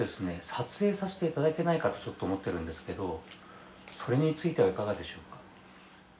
撮影させて頂けないかとちょっと思ってるんですけどそれについてはいかがでしょうか。